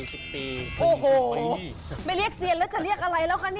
โอ้โหไม่เรียกเซียนแล้วจะเรียกอะไรแล้วคะเนี่ย